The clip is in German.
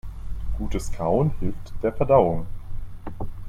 Gutes Kauen hilft der Verdauung.